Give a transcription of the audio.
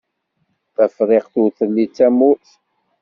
Tafriqt ur telli d tamurt.